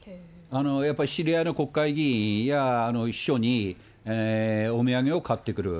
やっぱり知り合いの国会議員や秘書にお土産を買ってくる。